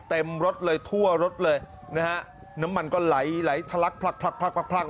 เต็มรถเลยทั่วรถเลยนะฮะน้ำมันก็ไหลไหลทะลักพลักพลักพลักพลักพลัก